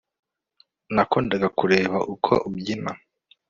nakundaga kureba uko ubyina